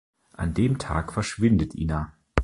An dem Tag verschwindet Ina.